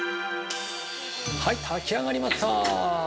◆はい、炊き上がりました。